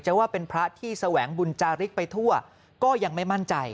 ว่าเป็นพระที่แสวงบุญจาริกไปทั่วก็ยังไม่มั่นใจ